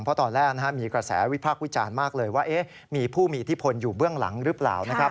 เพราะตอนแรกมีกระแสวิพากษ์วิจารณ์มากเลยว่ามีผู้มีอิทธิพลอยู่เบื้องหลังหรือเปล่านะครับ